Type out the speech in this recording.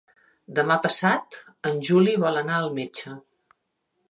Demà passat en Juli vol anar al metge.